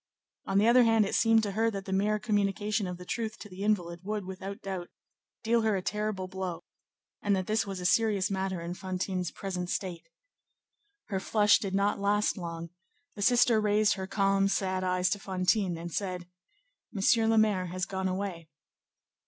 On the other hand, it seemed to her that the mere communication of the truth to the invalid would, without doubt, deal her a terrible blow, and that this was a serious matter in Fantine's present state. Her flush did not last long; the sister raised her calm, sad eyes to Fantine, and said, "Monsieur le Maire has gone away."